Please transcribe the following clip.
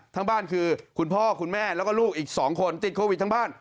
ทั้งบ้านคือคุณพ่อคุณแม่แล้วก็ลูกอีก๒คนติดโควิดทั้งบ้าน